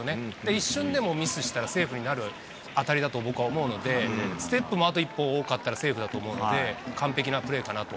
一瞬でもミスしたら、セーフになる当たりだと、僕は思うので、ステップもあと一歩多かったらセーフだと思うので、完璧なプレーかなと。